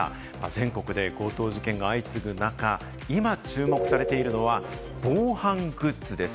全国で強盗事件が相次ぐ中、今、注目されているのは防犯グッズです。